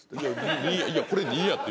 「いやいやこれ２やって」